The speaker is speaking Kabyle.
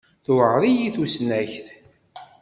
Tuɛer-iyi tusnakt.